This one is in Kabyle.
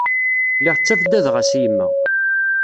Lliɣ ttabdadeɣ-as i yemma.